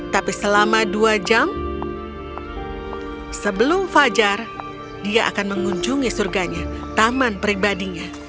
tapi selama dua jam sebelum fajar dia akan mengunjungi surganya taman pribadinya